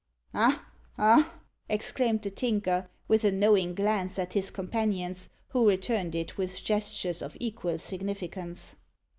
"Ah! ah!" exclaimed the Tinker, with a knowing glance at his companions, who returned it with gestures of equal significance.